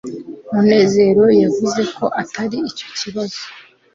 munezero yavuze ko atari cyo kibazo cye